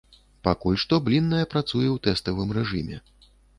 Пакуль што блінная працуе ў тэставым рэжыме.